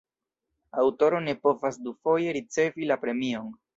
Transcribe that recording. Aŭtoro ne povas dufoje ricevi la premion.